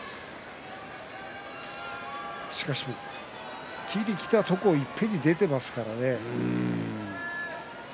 しかし切りにきたところをいっぺんに出てますからね。